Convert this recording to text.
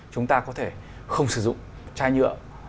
chúng ta có thể không sử dụng chai nhựa